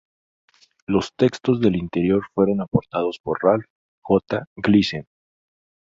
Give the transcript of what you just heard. Los textos del interior fueron aportados por Ralph J. Gleason.